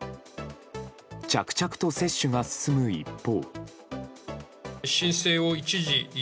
着々と接種が進む一方。